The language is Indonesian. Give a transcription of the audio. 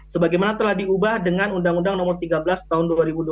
sebagaimana telah diubah dengan undang undang nomor tiga belas tahun dua ribu dua puluh